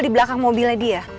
di belakang mobilnya dia